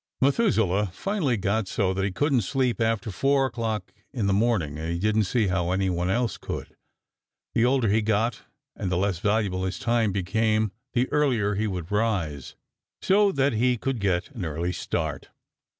Methuselah finally got so that he couldn't sleep after 4 o'clock in the morning, and he didn't see how anyone else could. The older he got and the less valuable his time became the earlier he would rise, so that he could get an early start.